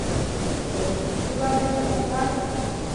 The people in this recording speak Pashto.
استاد د فکري ودې ملاتړی دی.